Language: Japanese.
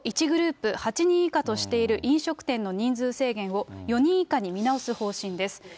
１グループ８人以下としている飲食店の人数制限を、４人以下に見直す方針です。